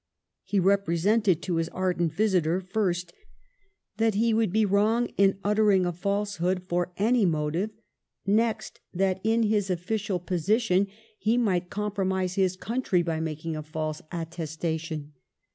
He represented to his ardent visitor, first, that he would be wrong in uttering a falsehood for any motive ; next, that in his official position he Digitized by VjOOQIC 72 MADAME DE STAML might compromise his country by making a false attestation.